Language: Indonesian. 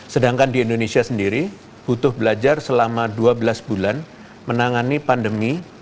sedangkan di indonesia sendiri butuh belajar selama dua belas bulan menangani pandemi